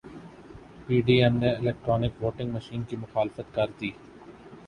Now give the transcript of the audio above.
پی D M نے electronic voting machine کی مخالفت کردی